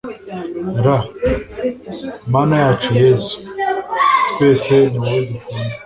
r/ mana yacu yezu, twese ni wowe dukunda